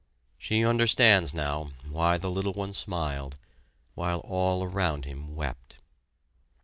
She understands now why the little one smiled, while all around him wept.